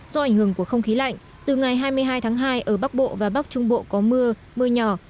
do ảnh hưởng của không khí lạnh từ ngày hai mươi hai tháng hai ở bắc bộ và bắc trung bộ có mưa mưa nhỏ